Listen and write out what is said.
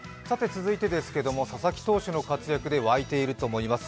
続いてですけれども、佐々木投手の活躍で沸いていると思います。